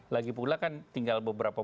lagi pula kan tinggal beberapa